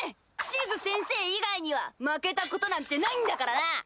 シズ先生以外には負けたことなんてないんだからな！